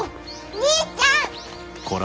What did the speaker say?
兄ちゃん！